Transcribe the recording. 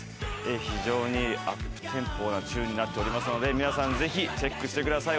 非常にアップテンポなチューンになっておりますので、皆さんぜひチェックしてください。